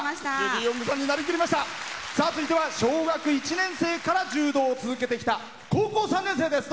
続いては小学１年生から柔道を続けてきた高校３年生です。